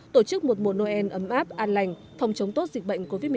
tổ chức một mùa noel ấm áp an lành phòng chống tốt dịch bệnh covid một mươi chín